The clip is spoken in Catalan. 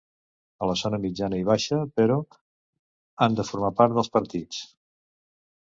A la zona mitjana i baixa, però, han de formar part dels partits.